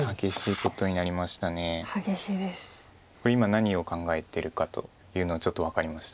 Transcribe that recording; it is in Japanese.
これ今何を考えてるかというのちょっと分かりました。